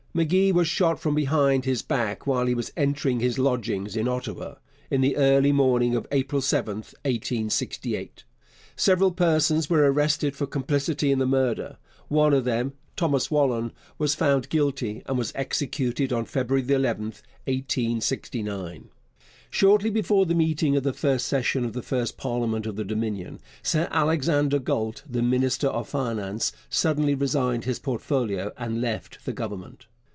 M'Gee was shot from behind his back while he was entering his lodgings in Ottawa, in the early morning of April 7, 1868. Several persons were arrested for complicity in the murder. One of them, Thomas Whalen, was found guilty and was executed on February 11, 1869. Shortly before the meeting of the first session of the first parliament of the Dominion, Sir Alexander Galt, the minister of Finance, suddenly resigned his portfolio and left the Government.